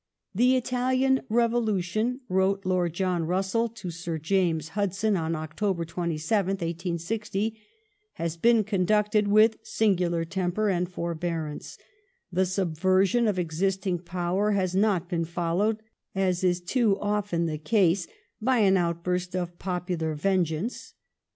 The Italisn reyolntion [wrdte Lord Jolm RnsseU to Sir Jatnes Hud son on Ootobor 27th, 1860] has benn oondneted with smgnlar temper and forbearance. The subversion of existing power has not been fol lowed, as is too often the case, by an outborst of popular vengeance.